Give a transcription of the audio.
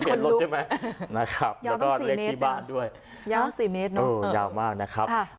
เห็นรถใช่ไหมนะครับแล้วก็เลขที่บ้านด้วยยาว๔เมตรเนอะยาวมากนะครับ